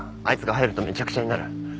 あいつが入るとめちゃくちゃになる。